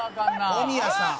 「小宮さん